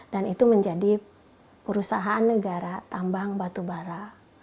dan itu menjadi perusahaan negara tambang batu bara